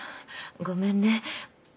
ごめんね。